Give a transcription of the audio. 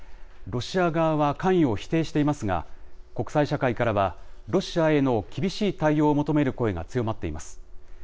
ロシア側は関与を否定していますが、国際社会からは、ロシアへの厳しい対応を求める声が強まっています。